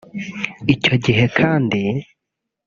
Icyo gihe kandi